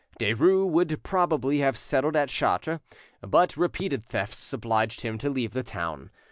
Derues would probably have settled at Chartres, but repeated thefts obliged him to leave the town.